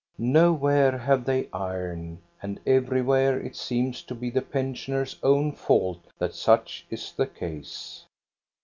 Nowhere have they iron, and every where it seems to be the pensioners' own fault that such is the case.